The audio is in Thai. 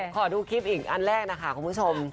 ขอดูคลิปอีกอันแรกนะคะคุณผู้ชม